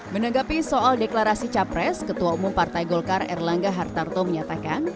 menanggapi soal deklarasi capres ketua umum partai golkar erlangga hartarto menyatakan